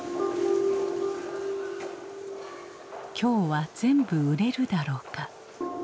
今日は全部売れるだろうか。